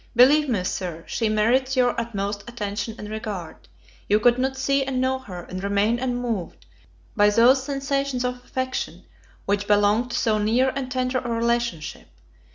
Believe me, Sir, she merits your utmost attention and regard. You could not see and know her, and remain unmoved by those sensations of affection which belong to so near and tender a relationship.